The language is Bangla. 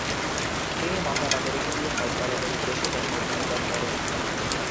তিনি মক্কা নগরীতে গিয়ে হজ্জ পালনের উদ্দেশ্যে জন্মভূমি ত্যাগ করেন।